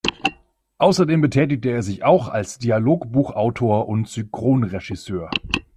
Außerdem betätigte er sich auch als Dialogbuchautor und Synchronregisseur.